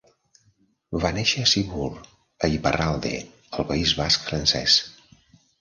Va néixer a Ciboure, a Iparralde, el País Basc francès.